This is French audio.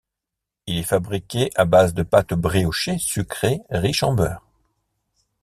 Il est fabriqué à base de pâte briochée sucrée riche en beurre.